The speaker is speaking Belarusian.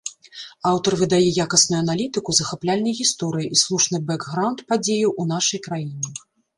Аўтар выдае якасную аналітыку, захапляльныя гісторыі і слушны бэкграўнд падзеяў у нашай краіне.